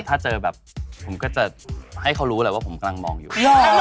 ถ้าเจอแบบผมก็จะให้เขารู้แหละว่าผมกำลังมองอยู่